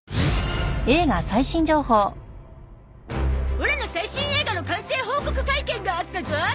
オラの最新映画の完成報告会見があったゾ